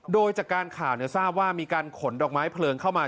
โดยจากการข่าวทราบว่ามีการขนดอกไม้เพลิงเข้ามา